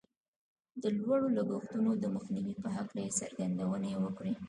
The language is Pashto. د لوړو لګښتونو د مخنيوي په هکله يې څرګندونې وکړې.